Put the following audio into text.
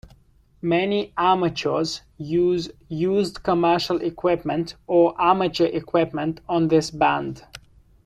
Many amateurs use used commercial equipment or amateur equipment on this band.